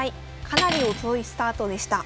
かなり遅いスタートでした。